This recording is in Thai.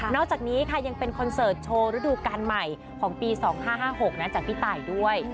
จากนี้ค่ะยังเป็นคอนเสิร์ตโชว์รูดูการใหม่ของปี๒๕๕๖จากพี่ตายด้วย